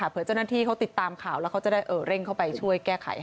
เผื่อเจ้าหน้าที่เขาติดตามข่าวแล้วเขาจะได้เร่งเข้าไปช่วยแก้ไข